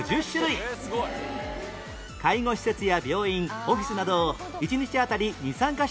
介護施設や病院オフィスなど１日あたり２３カ所